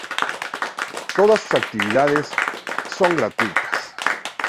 Todas sus actividades son gratuitas.